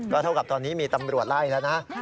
เท่ากับตอนนี้มีตำรวจไล่แล้วนะ